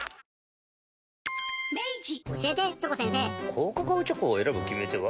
高カカオチョコを選ぶ決め手は？